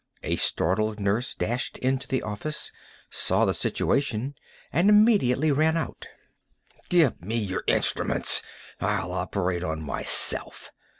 A startled nurse dashed into the office, saw the situation, and immediately ran out. "Give me your instruments! I'll operate on myself!"